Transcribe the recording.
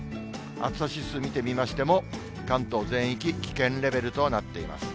暑さ指数、見てみましても、関東全域、危険レベルとなっています。